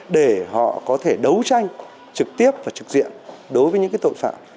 để họ có thể đấu tranh trực tiếp và trực diện đối với những tội phạm